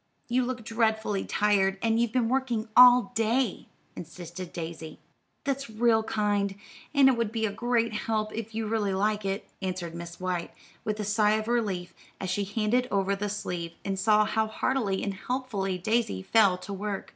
You look dreadfully tired, and you've been working all day," insisted Daisy. "That's real kind, and it would be a great help, if you really like it," answered Miss White, with a sigh of relief as she handed over the sleeve, and saw how heartily and helpfully Daisy fell to work.